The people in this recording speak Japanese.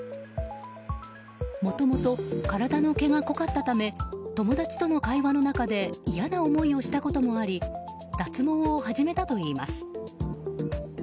もともと体の毛が濃かったため友達との会話の中で嫌な思いをしたこともあり脱毛を始めたといいます。